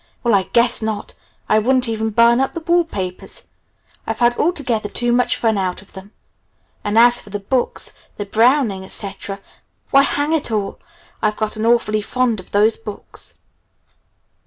"Well, I guess not! I wouldn't even burn up the wall papers. I've had altogether too much fun out of them. And as for the books, the Browning, etc. why hang it all, I've gotten awfully fond of those books!"